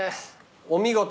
お見事。